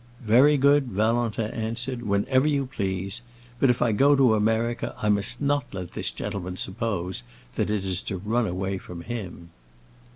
"Very good," Valentin answered, "whenever you please. But if I go to America, I must not let this gentleman suppose that it is to run away from him."